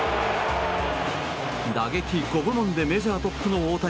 打撃５部門でメジャートップの大谷。